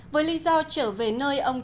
với lý do trở về nơi ông cha đã ở trước đây